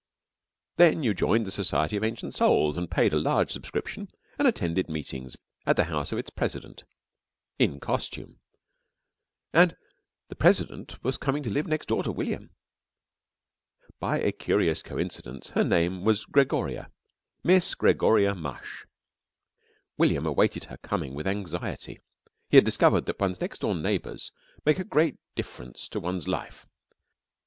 Then you joined the Society of Ancient Souls, and paid a large subscription, and attended meetings at the house of its President in costume. And the President was coming to live next door to William. By a curious coincidence her name was Gregoria Miss Gregoria Mush. William awaited her coming with anxiety. He had discovered that one's next door neighbours make a great difference to one's life.